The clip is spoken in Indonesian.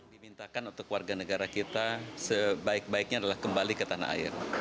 dimintakan untuk warga negara kita sebaik baiknya adalah kembali ke tanah air